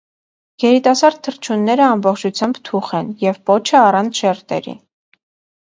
Երիտասարդ թռչունները ամբողջությամբ թուխ են և պոչը առանց շերտերի։